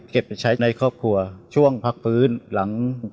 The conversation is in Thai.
เก็บไปใช้ในครอบครัวช่วงพักฝืนหลังภาตา